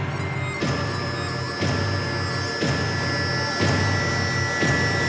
กลับมา